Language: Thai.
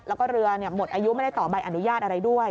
แล้วก็เรือหมดอายุไม่ได้ต่อใบอนุญาตอะไรด้วย